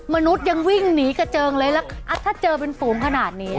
มนุษย์ยังวิ่งหนีกระเจิงเลยแล้วถ้าเจอเป็นฝูงขนาดนี้